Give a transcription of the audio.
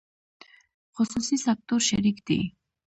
خصوصي سکتور شریک دی